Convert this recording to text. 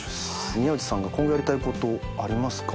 宮内さんが今後やりたいことありますか？